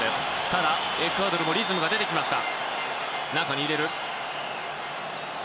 ただ、エクアドルもリズムが出てきました。